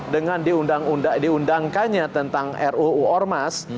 dengan diundang undangkannya tentang ruu ormas